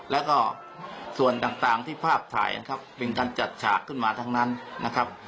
แล้วก็ส่วนต่างที่ภาพถ่ายนะครับเป็นการจัดฉากขึ้นมาทั้งนั้นนะครับ